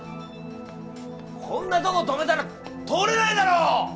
こんなとこ止めたら通れないだろ！